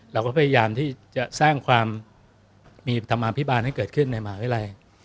เราก็พยายามที่จะสร้างความมีธรรมาภิบาลให้เกิดขึ้นในมหาวิทยาลัย